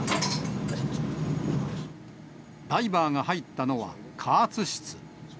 ダイバーが入ったのは、加圧室。